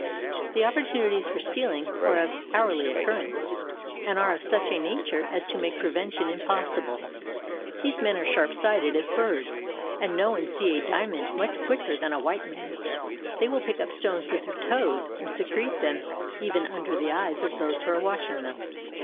The opportunities for stealing are of hourly occur rence and are of such a nature as to make prevention impossible. These men are sharp sighted as birds, and know and see a diamond much quicker than a white man. They will pick up stones with their toes and se crete them even under the eyes of those who are watch ing them.